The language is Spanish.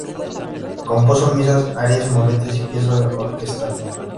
Compuso misas, arias, motetes y piezas orquestales.